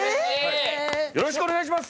よろしくお願いします！